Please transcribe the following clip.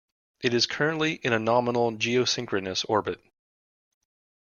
It is currently in a nominal geosynchronous orbit.